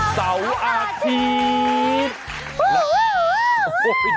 เสาร์อาทีม